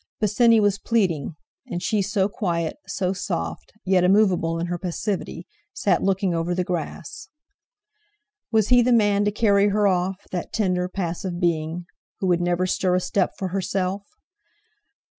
Bosinney was pleading, and she so quiet, so soft, yet immovable in her passivity, sat looking over the grass. Was he the man to carry her off, that tender, passive being, who would never stir a step for herself?